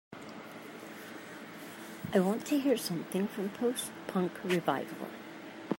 I want to hear something from Post-punk Revival